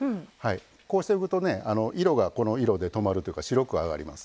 こうしておくと色がこの色でとまるというか白くとまります。